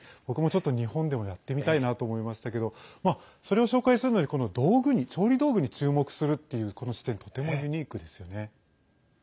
僕もちょっと、日本でもやってみたいなと思いましたけどそれを紹介するのに調理道具に注目するというこの視点とてもユニークですよね。